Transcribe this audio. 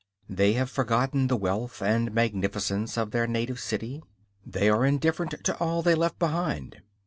They have forgotten the wealth and magnificence of their native city; they are indifferent to all they have left behind.